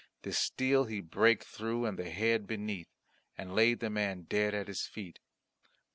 The steel he brake through and the head beneath, and laid the man dead at his feet.